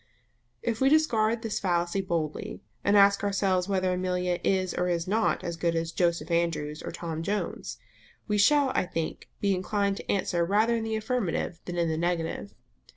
If we discard this fallacy boldly, and ask ourselves whether Amelia is or is not as good as Joseph Andrews or Tom Jones, we shall I think be inclined to answer rather in the affirmative than in the negative.